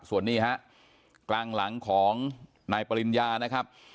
ส่วนนี้ฮะกลางหลังของนายปริญญานะครับ